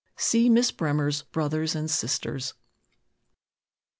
_See Miss Bremer's "Brothers and Sisters."